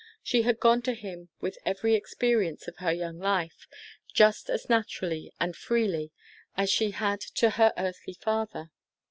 She had gone to him with every experience of her young life, just as naturally and freely as she had to her earthly father.